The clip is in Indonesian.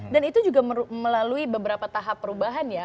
dan itu juga melalui beberapa tahap perubahan ya